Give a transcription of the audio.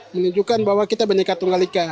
menunjukkan bahwa kita beningkat tunggal